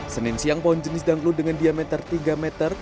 senin siang pohon jenis danglu dengan diameter tiga meter